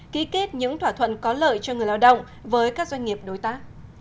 ký kết những thỏa thuận có lợi cho người lao động với các doanh nghiệp đối tác